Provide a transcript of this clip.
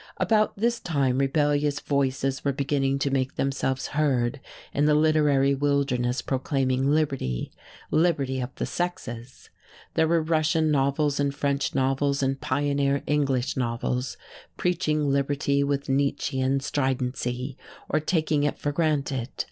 About this time rebellious voices were beginning to make themselves heard in the literary wilderness proclaiming liberty liberty of the sexes. There were Russian novels and French novels, and pioneer English novels preaching liberty with Nietzschean stridency, or taking it for granted.